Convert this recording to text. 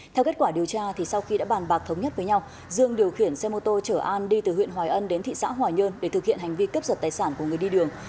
theo kết quả điều tra sau khi đã bàn bạc thống nhất với nhau dương điều khiển xe mô tô chở an đi từ huyện hòa ân đến thị xã hòa nhơn để thực hiện hành vi cướp giật tài sản của người đi đường